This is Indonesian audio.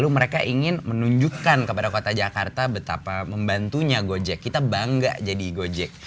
mereka ingin menunjukkan kepada kota jakarta betapa membantunya gojek kita bangga jadi gojek